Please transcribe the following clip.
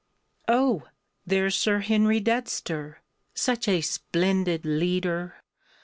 _ "Oh! there's Sir Henry Dudster! Such a splendid leader!